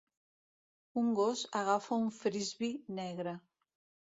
un gos agafa un frisbee negre